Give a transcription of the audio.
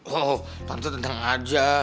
oh tante tentang aja